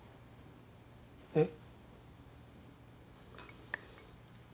えっ？